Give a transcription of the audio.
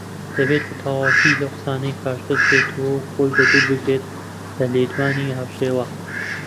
دەبێت بەتەواوەتی لەو قسانەی پاشگەزبێتەوە و خۆی بە دوور بگرێت لە لێدوانی هاوشێوە